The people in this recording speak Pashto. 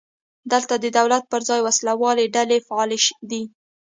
دلته د دولت پر ځای وسله والې ډلې فعالې دي.